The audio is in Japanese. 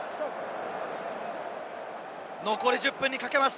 残り１０分にかけます。